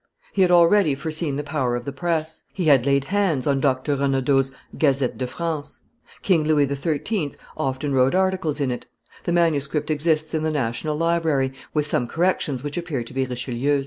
He had already foreseen the power of the press; he had laid hands on Doctor Renaudot's Gazette de France; King Louis XIII. often wrote articles in it; the manuscript exists in the National Library, with some corrections which appear to be Richelieu's.